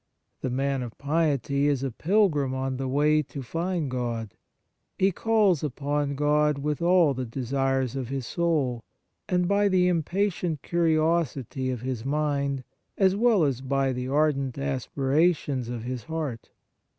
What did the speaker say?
The man of piety is a pilgrim on the way to find God. He calls upon God with all the desires of his soul, and by the impatient curiosity of his mind, as well as by the ardent aspirations of 34 The Nature of Piety his heart.